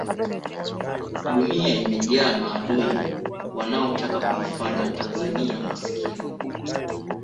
dunia imejaa maadui wanaotaka kuifanya tanzania maskini